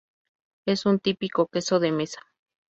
Es un típico queso de mesa.